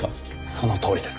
そのとおりです。